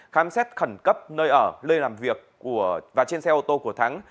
khám xét khẩn cấp nơi ở nơi làm việc và trên xe ô tô của thắng